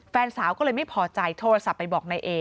แฟนสาวก็เลยไม่พอใจโทรศัพท์ไปบอกนายเอ